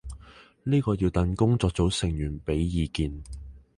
呢個要等工作組成員畀意見